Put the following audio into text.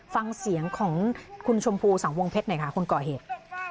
ฟังเสียงของคุณชมพูสังวงเพชรหน่อยค่ะคนก่อเหตุ